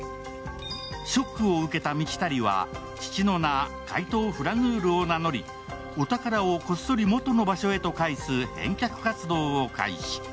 ショックを受けた道足は父の名、フラヌールを名乗りお宝をこっそり元の場所へと返す返却活動を開始。